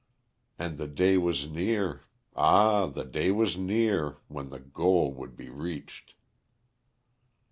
And the day was near, ah! the day was near, when the goal would be reached.